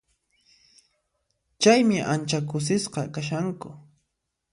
Chaymi ancha kusisqa kashanku.